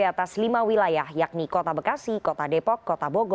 atas lima wilayah yakni kota bekasi kota depok kota bogor kabupaten bekasi dan kabupaten bogor